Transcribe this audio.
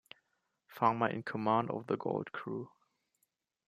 Farmer in command of the Gold Crew.